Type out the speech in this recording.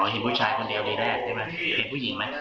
อ๋อเห็นผู้ชายคนเดียวดีแรกหรือเป็นผู้หญิงไหม